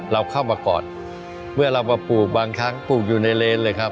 เราเข้ามากอดเมื่อเรามาปลูกบางครั้งปลูกอยู่ในเลนเลยครับ